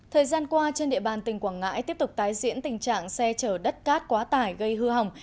thời gian qua trên địa bàn tỉnh quảng ngãi tiếp tục tái diễn tình trạng xe chở đất cát quá tải gây hư hỏng